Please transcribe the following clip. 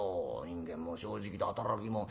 人間も正直で働き者。